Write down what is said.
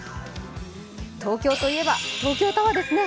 東京といえば東京タワーですね。